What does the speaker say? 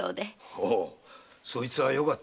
おうそいつはよかった。